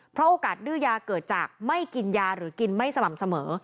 เพราะโอกาสดื้อยาเกิดจากไม่กินยาหรือกินไม่สม่ำเสมอ